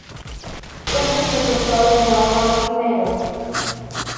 Es el sucesor de "Nordland I".